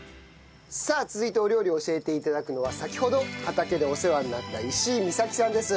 続いてお料理を教えて頂くのは先ほど畑でお世話になった石井美咲さんです。